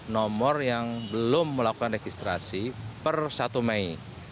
nomor yang belum melakukan registrasi per satu mei